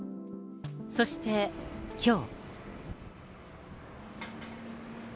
そして、きょう。